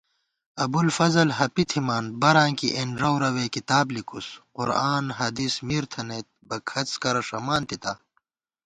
ابُوالفضل ہَپی تھِمان بَراں کی اېن رَو روے کتاب لِکُوس * قرآن حدیث مِر تھنَئت بہ کھڅ کرہ ݭمان تِتا